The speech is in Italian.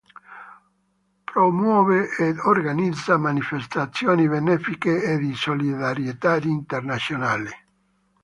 Promuove ed organizza manifestazioni benefiche e di solidarietà internazionali.